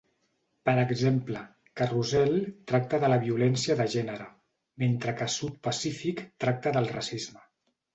Per exemple, "Carousel" tracta de la violència de gènere, mentre que "South Pacific" tracta del racisme.